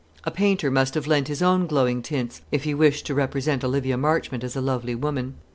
A painter must have lent his own glowing tints if he wished to represent Olivia Marchmont as a lovely woman.